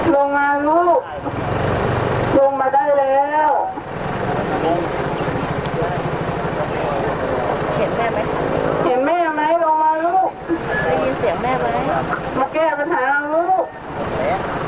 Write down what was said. ลงมาลูกลงมาได้แล้ว